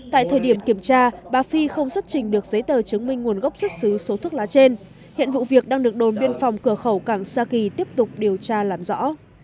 tại thời điểm kiểm tra bà phi không xuất trình được giấy tờ chứng minh nguồn gốc xuất xứ số thuốc lá trên hiện vụ việc đang được đồn biên phòng cửa khẩu cảng sa kỳ tiếp tục điều tra làm rõ